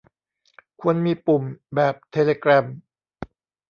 ควรมีปุ่ม แบบเทเลแกรม